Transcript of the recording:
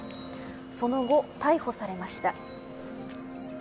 その後、逮捕されました。